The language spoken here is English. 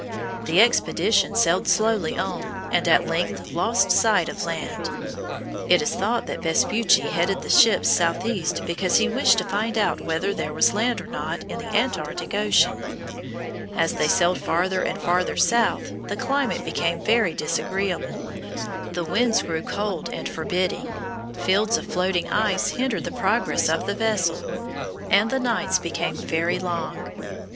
The expedition sailed slowly on and at length lost sight of land. It is thought that Vespucci headed the ships southeast because he wished to find out whether there was land or not in the Antarctic Ocean. As they sailed farther and farther south, the climate became very disagreeable. The winds grew cold and forbidding, fields of floating ice hindered the progress of the vessel, and the nights became very long.